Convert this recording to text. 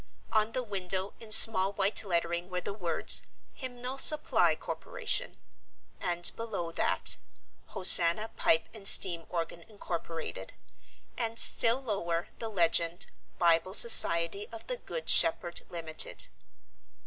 On the window in small white lettering were the words, HYMNAL SUPPLY CORPORATION, and below that, HOSANNA PIPE AND STEAM ORGAN INCORPORATED, and Still lower the legend BIBLE SOCIETY OF THE GOOD SHEPHERD LIMITED.